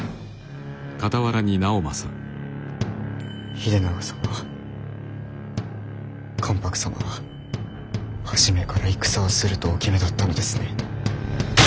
秀長様関白様は初めから戦をするとお決めだったのですね。